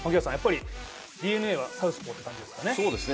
ＤｅＮＡはサウスポーという感じですかね。